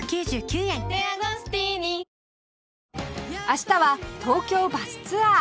明日は東京バスツアー